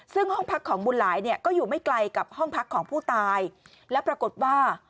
ซึ่งห้องพักของบุญหลายเนี่ยก็อยู่ไม่ไกลกับห้องพักของผู้ตายและปรากฏว่า